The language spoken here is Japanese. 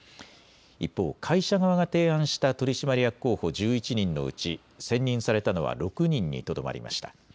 一方、会社側が提案した取締役候補１１人のうち選任されたのは６人にとどまりました。